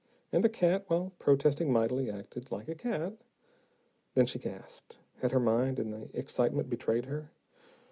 And the cat, while protesting mightily, acted like a cat. Then she gasped. Had her mind, in the excitement, betrayed her?